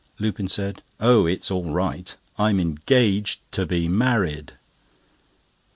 Lupin said: "Oh, it's all right! I'm engaged to be married!"